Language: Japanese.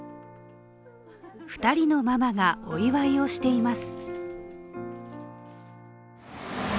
２人のママがお祝いをしています。